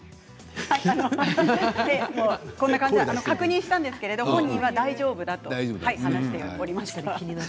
確認したんですが本人は大丈夫だと話しておりました。